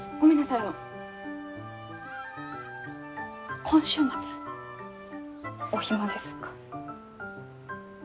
あの今週末お暇ですか？